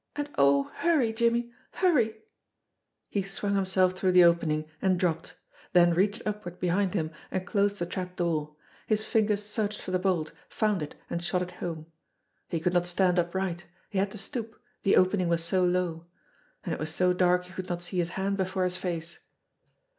And, oh, hurry, Jimmie, hurry !" He swung himself through the opening, and dropped; then reached upward behind him and closed the trap door. His fingers searched for the bolt, found it, and shot it home. He could not stand upright ; he had to stoop, the opening was so low. And it was so dark he could not see his hand before his face.